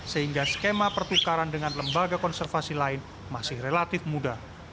sehingga skema pertukaran dengan lembaga konservasi lain masih relatif mudah